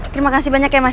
terima kasih banyak ya mas